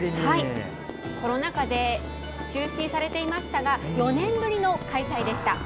コロナ禍で中止されていましたが４年ぶりの開催でした。